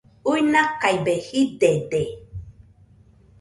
Uinakaibe jidede